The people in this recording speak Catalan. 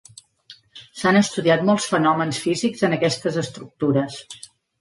S'han estudiat molts fenòmens físics en aquestes estructures.